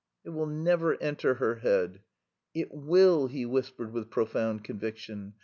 "It will never enter her head." "It will," he whispered with profound conviction.